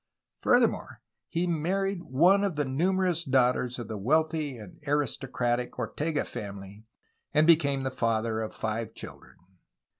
Furthermore, he married one of the numerous daughters of the wealthy and aristocratic Ortega family, and became the father of five children.